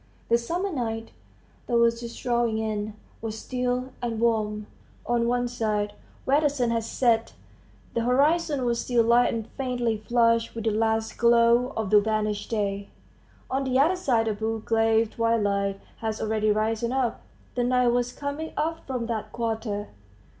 The summer night, that was just drawing in, was still and warm; on one side, where the sun had set, the horizon was still light and faintly flushed with the last glow of the vanished day; on the other side a blue gray twilight had already risen up. The night was coming up from that quarter.